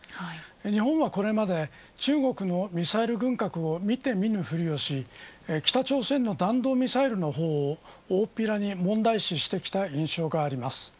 日本はこれまで中国のミサイル軍拡を見てみぬふりをし北朝鮮の弾道ミサイルの方を大っぴらに問題視してきた印象があります。